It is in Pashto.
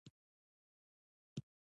دا تل د اجتهاد مسأله پاتې وي.